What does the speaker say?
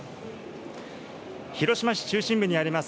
広島市中心部にあります